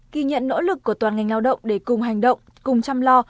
kỳ nhận nỗ lực của toàn ngành lao động để cùng hành động cùng chăm lo